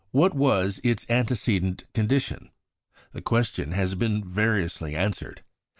What was its antecedent condition? The question has been variously answered.